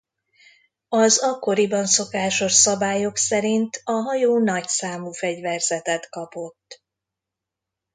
Az akkoriban szokásos szabályok szerint a hajó nagyszámú fegyverzetet kapott.